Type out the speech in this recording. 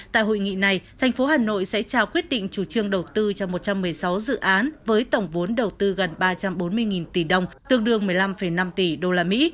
tại hội nghị này thành phố hà nội sẽ trao quyết định chủ trương đầu tư cho một trăm một mươi sáu dự án với tổng vốn đầu tư gần ba trăm bốn mươi tỷ đồng tương đương một mươi năm năm tỷ usd